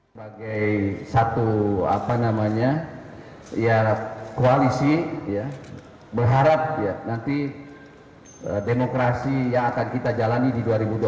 sebagai satu koalisi berharap nanti demokrasi yang akan kita jalani di dua ribu dua puluh empat